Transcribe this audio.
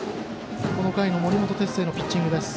この回の森本哲星のピッチング。